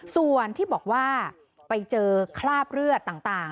ส่วนที่บอกว่าไปเจอคราบเลือดต่าง